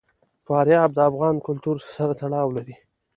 فاریاب د افغان کلتور سره تړاو لري.